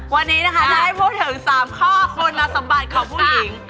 วันนี้นะคะที่จะพูดถึง๓ข้อคนลักษณ์บันเขาผู้หญิง